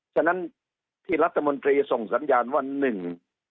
ฉะนั้นที่รัฐมนตรีส่งสัญญาณว่าหนึ่ง